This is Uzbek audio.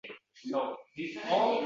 Muqova: qat'iy